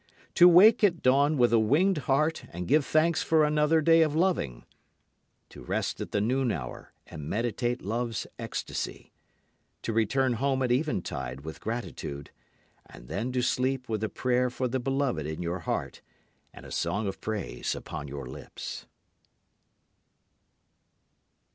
To wake at dawn with a winged heart and give thanks for another day of loving; To rest at the noon hour and meditate love's ecstacy; To return home at eventide with gratitude; And then to sleep with a prayer for the beloved in your heart and a song of praise upon your lips.